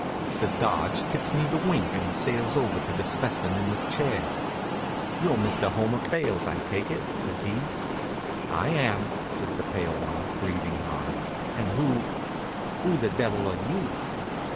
Mr. Dodge tips me the wink and sails over to the specimen in the chair. "You're Mr. Homer Fales, I take it," says he. "I am," says the pale one, breathing hard, "and who who the devil are you?"